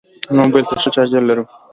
زما موبایل ته ښه چارجر لرم.